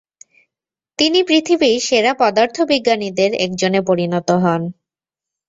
তিনি পৃথিবীর সেরা পদার্থবিজ্ঞানীদের একজনে পরিণত হন।